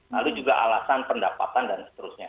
lalu juga alasan pendapatan dan seterusnya